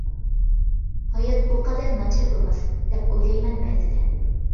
«ھايات ئۇ قەدەر ناچار بولماس» دەپ ئويلايمەن بەزىدە.